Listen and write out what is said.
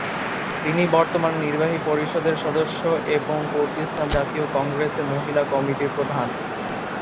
তিনি বর্তমানে নির্বাহী পরিষদের সদস্য এবং কুর্দিস্তান জাতীয় কংগ্রেসে মহিলা কমিটির প্রধান।